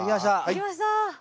出来ました。